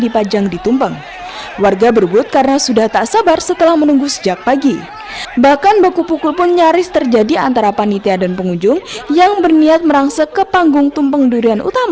ketum pengendurian utama setinggi sembilan meter